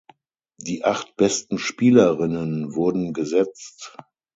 Die acht besten Spielerinnen wurden gesetzt.